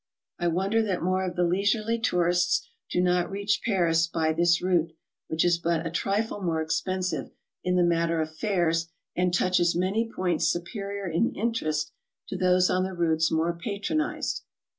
I wonder that more of the leisure ly tourists do not reach Paris by this route, which is but a trifle more expensive in the matter of fares and touches many points superior in interest to those on the routes more patronized.